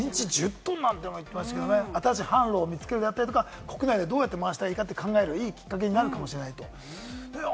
一日１０トンなんて言ってましたけれどもね、新しい販路を見つけるだったり、国内でどうやって回したらいいかと考える、いいきっかけになるかもしれないと。